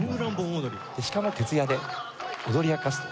しかも徹夜で踊り明かすと。